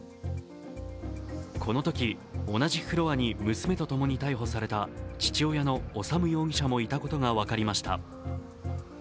このとき、同じフロアに娘と共に逮捕された父親の修容疑者もいたことが分かりました。